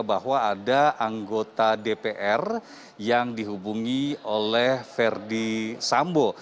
bahwa ada anggota dpr yang dihubungi oleh verdi sambo